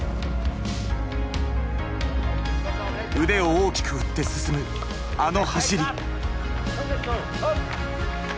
腕を大きく振って進むあの走り。